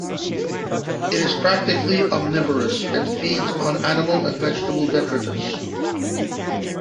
It is practically omnivorous, and feeds on animal and vegetal detritus.